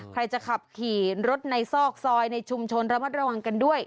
ใครจะขับขี่รถในซอกซอยในชุมชนระมัดระวังกันด้วย